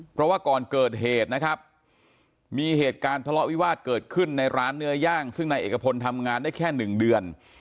เพราะว่าก่อนเกิดเหตุนะครับมีเหตุการณ์ทะเลาะวิวาสเกิดขึ้นในร้านเนื้อย่างซึ่งนายเอกพลทำงานได้แค่๑เดือน